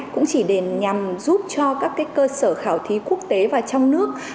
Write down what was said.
cũng chỉ để nhằm giúp cho các cơ sở khảo thí quốc tế và trong nước